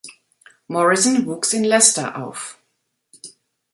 Morrison wuchs in Leicester auf.